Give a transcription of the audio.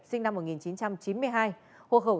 sinh năm một nghìn chín trăm chín mươi hai hộ khẩu